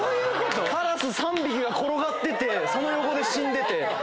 カラス３匹が転がっててその横で死んでて。